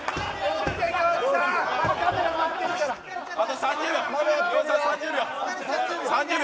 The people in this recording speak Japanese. あと３０秒。